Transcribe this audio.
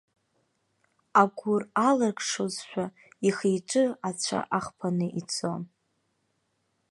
Агәыр аларкшозшәа ихы-иҿы ацәа ахԥаны ицон.